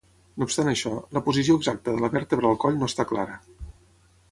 No obstant això, la posició exacta de la vèrtebra al coll no està clara.